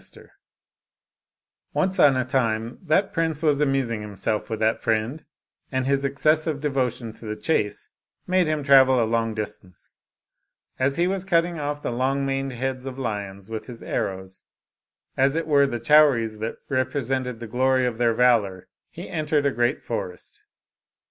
Oriental Mystery Stories Once on a time that prince was amusing himself with that friend, and his excessive devotion to the chase made him travel a long distance. As he was cutting off the long maned heads of lions with his arrows, as it were the chow ries that represented the glory of their valor, he entered a great forest.